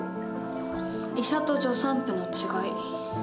医者と助産婦の違い。